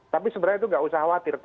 tapi sebenarnya itu nggak usah khawatir